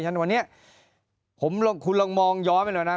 ฉะนั้นวันนี้คุณลองมองย้อนไปหน่อยนะครับ